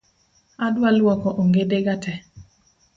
Adwa luoko ongede ga tee